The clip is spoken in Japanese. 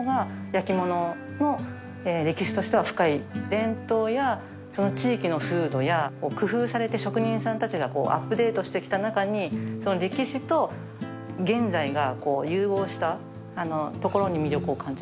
伝統やその地域の風土や工夫されて職人さんたちがアップデートしてきた中にその歴史と現在が融合したところに魅力を感じます。